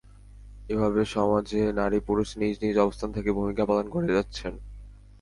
এভাবে সমাজে নারী-পুরুষ নিজ নিজ অবস্থান থেকে ভূমিকা পালন করে যাচ্ছেন।